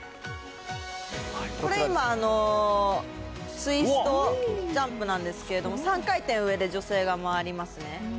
これ今、ツイストジャンプなんですけども、３回転、上で女性が回りますね。